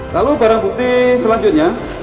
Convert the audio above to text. lalu barang bukti selanjutnya